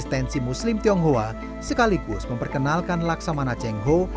tensi muslim tionghoa sekaligus memperkenalkan laksamana cheng ho